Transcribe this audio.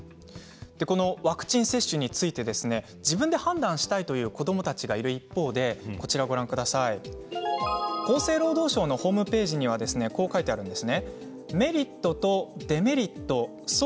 ワクチン接種について自分で判断したいという子どもたちがいる一方で厚生労働省のホームページにはこう書いてあります。